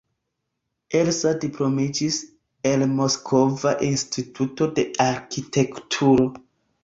Elsa diplomiĝis el Moskva Instituto de Arkitekturo.